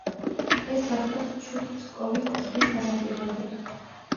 ეს გახლდათ ჩუდ-ფსკოვის ტბის სანაპიროები.